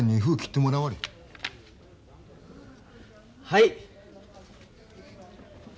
はい。